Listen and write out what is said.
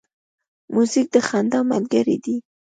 موزیک د خندا ملګری دی.